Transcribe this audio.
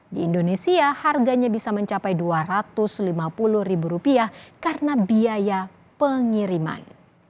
di indonesia harganya bisa mencapai rp dua ratus lima puluh karena biaya pengiriman